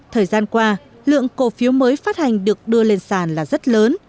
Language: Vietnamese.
thời gian qua lượng cổ phiếu mới phát hành được đưa lên sàn là rất lớn